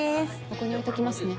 ここに置いときますね。